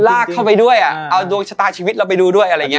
ก็ต้องลากเข้าไปด้วยเอาดวงชะตาชีวิตเราไปดูด้วย